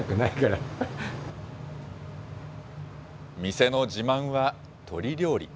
店の自慢は鳥料理。